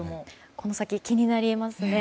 この先、気になりますね。